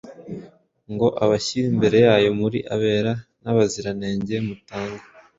ngo abashyire imbere yayo muri abera n’abaziranenge mutagawa